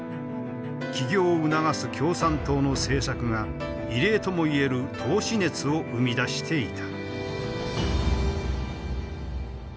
起業を促す共産党の政策が異例ともいえる投資熱を生み出していた。